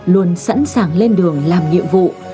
luôn sẵn sàng lên đường làm nhiệm vụ